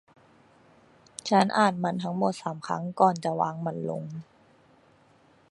ฉันอ่านมันทั้งหมดสามครั้งก่อนจะวางมันลง